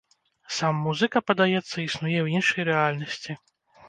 Сам музыка, падаецца, існуе ў іншай рэальнасці.